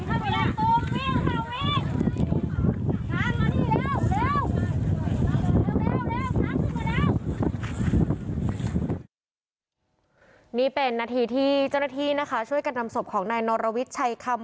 นี่เป็นนาทีที่เจ้าหน้าที่นะคะช่วยกันนำศพของนายนรวิทย์ชัยคำ